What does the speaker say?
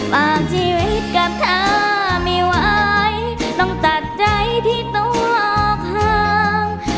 ฝากชีวิตกับเธอไม่ไหวต้องตัดใจที่ต้องออกห้าง